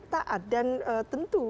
taat dan tentu